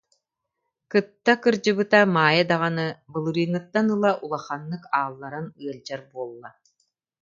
Кытта кырдьыбыта Маайа даҕаны былырыыҥҥыттан ыла улаханнык аалларан ыалдьар буолла